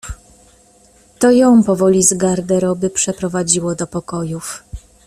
"To ją powoli z garderoby przeprowadziło do pokojów."